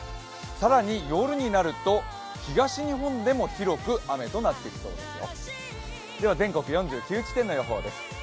更に夜になると東日本でも広く雨となっていきそうですよ。